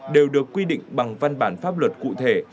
đều được quy định bằng văn bản pháp luật cụ thể